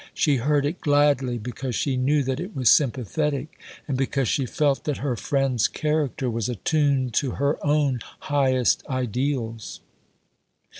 She heard it gladly, because she knew that it was sympathetic, and because she felt that her friend's character was attuned to her own highest ideals.